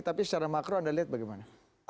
tapi secara makro anda lihat bagaimana